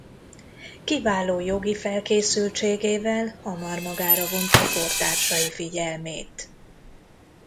Kiváló jogi felkészültségével hamar magára vonta kortársai figyelmét.